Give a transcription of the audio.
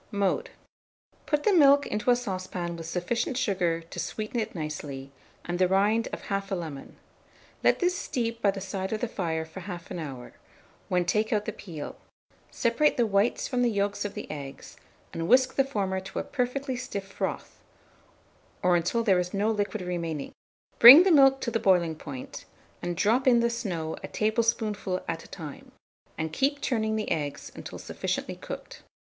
Mode. Put the milk into a saucepan with sufficient sugar to sweeten it nicely, and the rind of 1/2 lemon. Let this steep by the side of the fire for 1/2 hour, when take out the peel; separate the whites from the yolks of the eggs, and whisk the former to a perfectly stiff froth, or until there is no liquid remaining; bring the milk to the boiling point, and drop in the snow a tablespoonful at a time, and keep turning the eggs until sufficiently cooked.